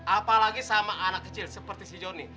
apalagi sama anak kecil seperti si joni